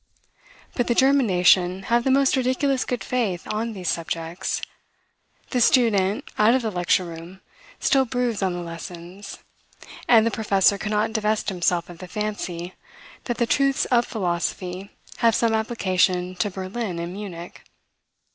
But the German nation have the most ridiculous good faith on these subjects: the student, out of the lecture room, still broods on the lessons; and the professor cannot divest himself of the fancy, that the truths of philosophy have some application to Berlin and Munich.